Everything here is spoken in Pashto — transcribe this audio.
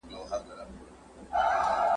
مخ یې ونیوۍ د لیري وطن لورته ..